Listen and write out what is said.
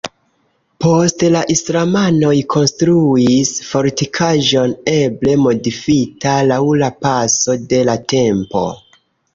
Poste la islamanoj konstruis fortikaĵon eble modifita laŭ la paso de la tempo.